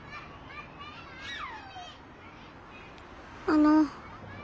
あの。